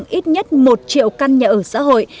thực hiện đề án xây dựng ít nhất một triệu căn nhà ở xã hội